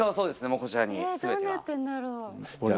もうこちらに全てが。